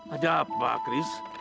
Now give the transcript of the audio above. ada apa chris